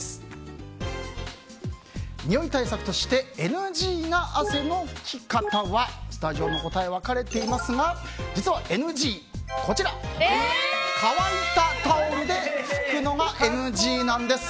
におい対策としてＮＧな汗の拭き方はスタジオの答え分かれていますが実はＮＧ乾いたタオルで拭くのがＮＧなんです。